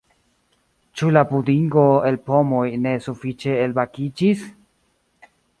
Ĉu la pudingo el pomoj ne sufiĉe elbakiĝis?